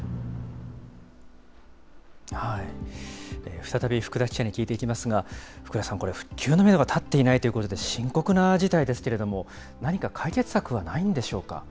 再び福田記者に聞いていきますが、福田さん、これ、復旧のメドが立っていないということで、深刻な事態ですけれども、何か解決策はないんでしょうか。